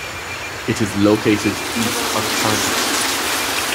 It is located east of Caracas.